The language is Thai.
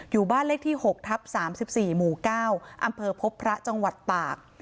อยู่บ้านเลขที่หกทับสามสิบสี่หมู่เก้าอำเภอพบพระจังหวัดตาก